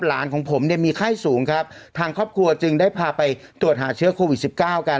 ของผมเนี่ยมีไข้สูงครับทางครอบครัวจึงได้พาไปตรวจหาเชื้อโควิดสิบเก้ากัน